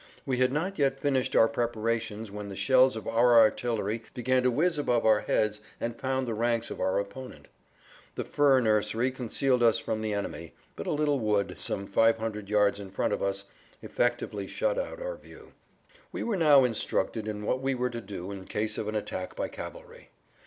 We had not yet finished our preparations[Pg 55] when the shells of our artillery began to whizz above our heads and pound the ranks of our opponent. The fir nursery concealed us from the enemy, but a little wood, some 500 yards in front of us, effectively shut out our view. We were now instructed in what we were to do in case of an attack by cavalry.